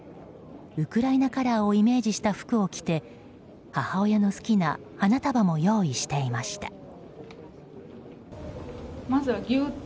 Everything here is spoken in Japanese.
ウクライナカラーをイメージした服を着て母親の好きな花束も用意していました。